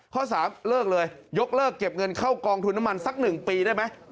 ข้อ๓เลิกเลยยกเลิกเก็บเงินเข้ากองทุนน้ำมันสัก๑ปีได้ไหม